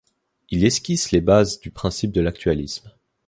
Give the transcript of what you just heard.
Il esquisse les bases du principe de l’actualisme.